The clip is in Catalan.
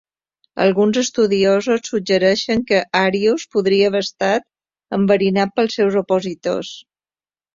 Alguns estudiosos suggereixen que Arius podria haver estat enverinat pels seus opositors.